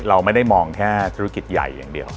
เราไม่ได้มองแค่ธุรกิจใหญ่อย่างเดียว